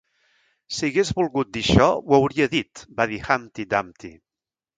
"Si hagués volgut dir això, ho hauria dit", va dir Humpty Dumpty.